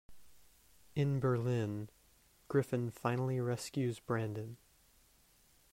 In Berlin, Griffin finally rescues Brandon.